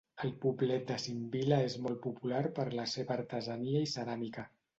El poblet de Simbila és molt popular per la seva artesania i ceràmica.